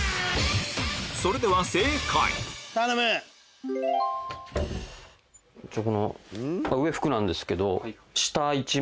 それでは正解一応上服なんですけど。